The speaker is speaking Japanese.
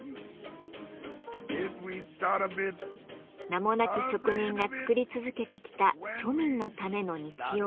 名もなき職人が作り続けてきた庶民のための日用品。